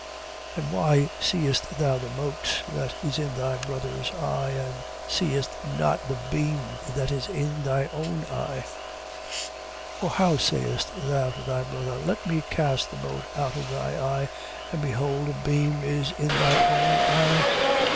7:3. And why seest thou the mote that is in thy brother's eye; and seest not the beam that is in thy own eye? 7:4. Or how sayest thou to thy brother: Let me cast the mote out of thy eye; and behold a beam is in thy own eye?